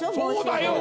そうだよ！